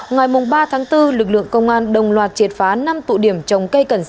ngày ba bốn lực lượng công an đồng loạt triệt phá năm tụ điểm trồng cây cần sa